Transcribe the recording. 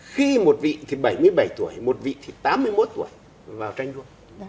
khi một vị thì bảy mươi bảy tuổi một vị thì tám mươi một tuổi vào tranh đua